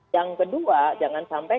yang kedua jangan sampai